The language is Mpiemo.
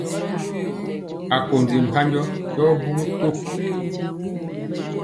Akondi mpanjɔ yɔ ɓɔɔ bugi ko.